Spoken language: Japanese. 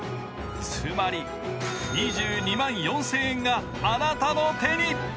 つまり、２２万４０００円があなたの手に！